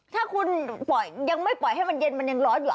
ถ้าคุณปล่อยยังไม่ปล่อยให้มันเย็นมันยังร้อนอยู่เหรอ